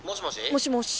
もしもし。